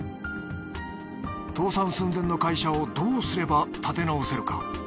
倒産寸前の会社をどうすれば立て直せるか？